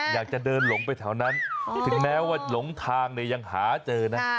อยากจะเดินหลงไปแถวนั้นถึงแม้ว่าหลงทางเนี่ยยังหาเจอนะ